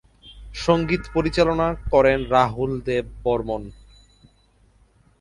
সঙ্গীত পরিচালনা করেন রাহুল দেব বর্মণ।